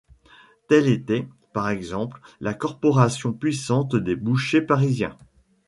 Telle était, par exemple, la corporation puissante des bouchers parisiens.